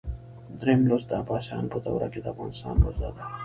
دریم لوست د عباسیانو په دوره کې د افغانستان وضع ده.